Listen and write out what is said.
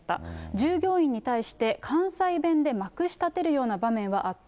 従業員に対して関西弁でまくし立てるような場面はあった。